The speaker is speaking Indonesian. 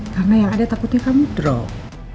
karena yang ada takutnya kamu drop